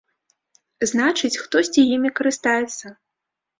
Значыць, хтосьці імі карыстаецца.